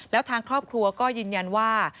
แล้วทางครอบครัวก็ยืนยันว่า